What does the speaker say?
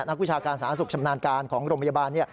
วิชาการสาธารณสุขชำนาญการของโรงพยาบาล